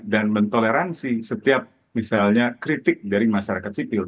dan mentoleransi setiap misalnya kritik dari masyarakat sipil